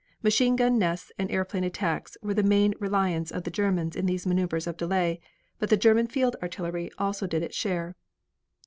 Machine gun nests and airplane attacks were the main reliance of the Germans in these maneuvers of delay, but the German field artillery also did its share.